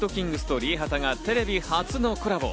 ＊ｔｋｉｎｇｚとＲＩＥＨＡＴＡがテレビ初のコラボ。